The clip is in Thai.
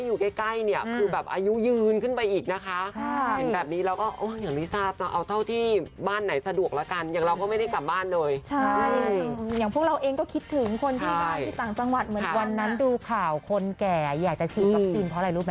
วันนั้นดูข่าวคนแก่อยากจะชอบเพราะอะไรรู้ไหม